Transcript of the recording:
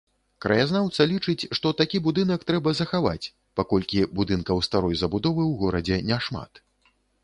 Краязнаўца лічыць, што такі будынак трэба захаваць, паколькі будынкаў старой забудовы ў горадзе няшмат.